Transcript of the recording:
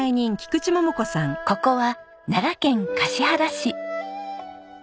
ここは奈良県橿原市。